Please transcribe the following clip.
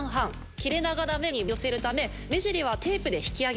切れ長な目に寄せるため目尻はテープで引き上げました。